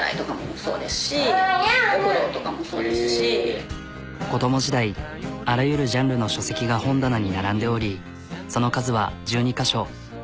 例えば子ども時代あらゆるジャンルの書籍が本棚に並んでおりその数は１２か所。